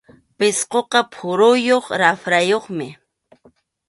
Pisquqa phuruyuq raprayuqmi.